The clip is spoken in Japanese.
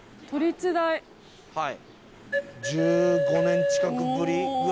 １５年近くぶりぐらい。